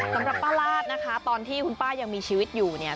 สำหรับป้าลาดนะคะตอนที่คุณป้ายังมีชีวิตอยู่เนี่ย